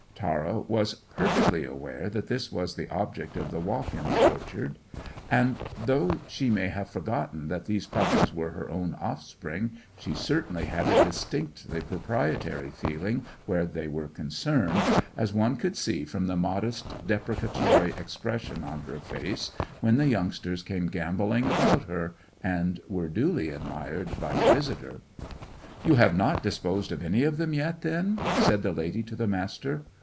Tara was perfectly aware that this was the object of the walk in the orchard, and, though she may have forgotten that these puppies were her own offspring, she certainly had a distinctly proprietary feeling where they were concerned, as one could see from the modest, deprecatory expression on her face when the youngsters came gambolling about her, and were duly admired by the visitor. "You have not disposed of any of them yet, then?" said the lady to the Master.